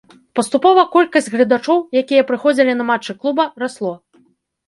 Паступова колькасць гледачоў, якія прыходзілі на матчы клуба, расло.